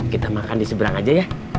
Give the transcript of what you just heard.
kita makan di seberang aja ya